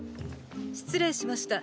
失礼しました。